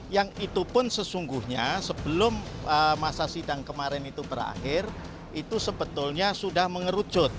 yang itu pun sesungguhnya sebelum masa sidang kemarin itu berakhir itu sebetulnya sudah mengerucut